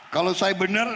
kalau saya benar